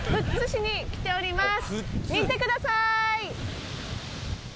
見てください！